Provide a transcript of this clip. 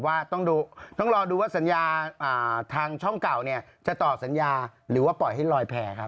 ว่าต้องรอดูว่าสัญญาทางช่องเก่าเนี่ยจะต่อสัญญาหรือว่าปล่อยให้ลอยแผลครับ